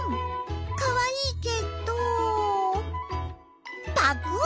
かわいいけどパクリ！